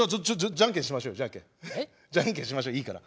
じゃんけんしましょうよいいから。